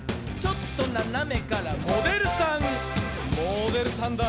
「ちょっとななめからモデルさん」